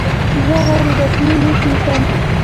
زه غیر رسمي لیک لیکم.